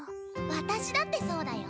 私だってそうだよ！